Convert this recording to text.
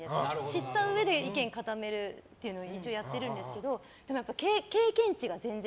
知ったうえで意見固めるっていうのを一応やってるんですけどでも経験値が全然。